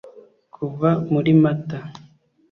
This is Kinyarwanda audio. Kuva muri Mata